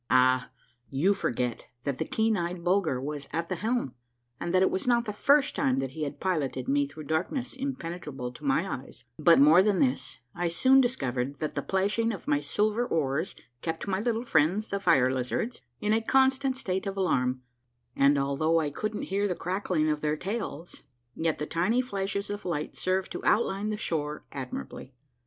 Ah, you forget that the keen eyed Bulger was at the helm, and that it was not the first time that he had piloted me through darkness impenetrable to my eyes ; but more than this : I soon discovered that the plashing of my silver oars kept my little friends, the fire lizards, in a constant state of alarm, and although I couldn't hear the crackling of their tails, yet the tiny flashes of light served to outline the shore admirably.